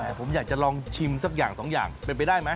หมายความผมอย่าลองชิมสักอย่างสองอย่างเป็นไปได้ไหม